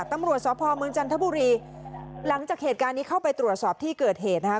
ตำรวจสพเมืองจันทบุรีหลังจากเหตุการณ์นี้เข้าไปตรวจสอบที่เกิดเหตุนะคะ